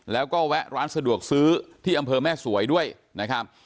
แล้วก็แวะร้านสะดวกซื้อที่อำเภอแม่สวยด้วยนะครับ